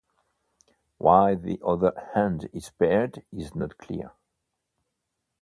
Why the other hand is spared is not clear.